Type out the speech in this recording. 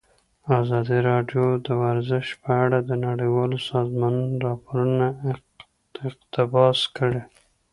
ازادي راډیو د ورزش په اړه د نړیوالو سازمانونو راپورونه اقتباس کړي.